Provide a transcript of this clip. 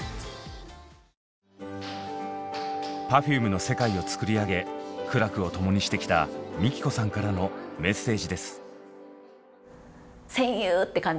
Ｐｅｒｆｕｍｅの世界をつくり上げ苦楽を共にしてきたＭＩＫＩＫＯさんからのメッセージです。